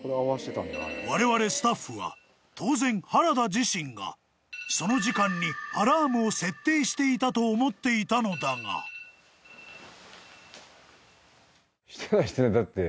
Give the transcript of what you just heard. ［われわれスタッフは当然原田自身がその時間にアラームを設定していたと思っていたのだが］だって。